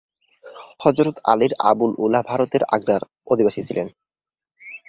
হযরত আমীর আবুল-উলা ভারতের আগ্রার অধিবাসী ছিলেন।